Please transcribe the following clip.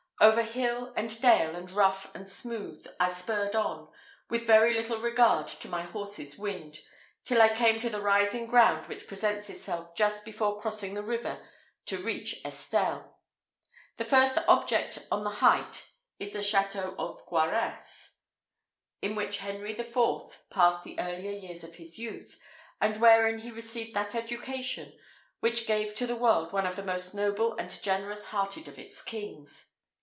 Over hill and dale, and rough and smooth, I spurred on, with very little regard to my horse's wind, till I came to the rising ground which presents itself just before crossing the river to reach Estelle. The first object on the height is the Château of Coarasse, in which Henry IV. passed the earlier years of his youth, and wherein he received that education which gave to the world one of the most noble and generous hearted of its kings.